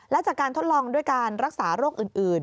และจากการทดลองด้วยการรักษาโรคอื่น